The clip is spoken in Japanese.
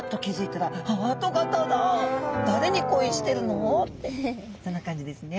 誰に恋してるの？ってそんな感じですね。